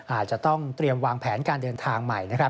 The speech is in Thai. อาจจะต้องเตรียมวางแผนการเดินทางใหม่นะครับ